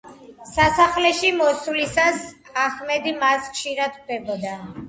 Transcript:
სასახლეში მისვლისას აჰმედი მას ხშირად ხვდებოდა.